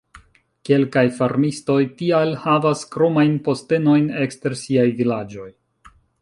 Kelkaj farmistoj tial havas kromajn postenojn ekster siaj vilaĝoj.